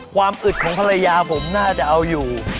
อึดของภรรยาผมน่าจะเอาอยู่